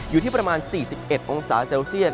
อยู่ที่ประมาณ๔๑องศาเซลเซียต